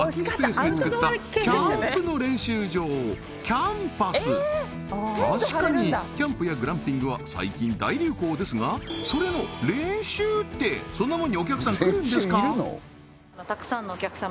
ここではいそう実はこちら確かにキャンプやグランピングは最近大流行ですがそれの練習ってそんなもんにお客さん来るんですか？